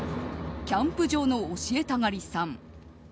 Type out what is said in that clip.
キャンプ場の教えたがりさん。